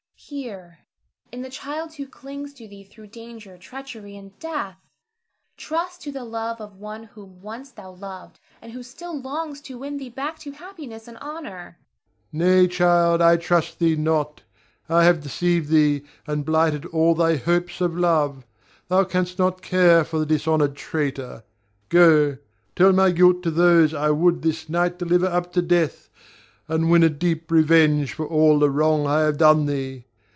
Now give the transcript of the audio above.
[Weeps.] Zara. Here, in the child who clings to thee through danger, treachery, and death. Trust to the love of one whom once thou loved, and who still longs to win thee back to happiness and honor. Ber. Nay, child, I trust thee not. I have deceived thee and blighted all thy hopes of love. Thou canst not care for the dishonored traitor. Go! tell my guilt to those I would this night deliver up to death, and win a deep revenge for all the wrong I have done thee.